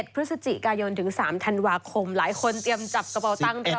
พฤศจิกายนถึง๓ธันวาคมหลายคนเตรียมจับกระเป๋าตั้งรอ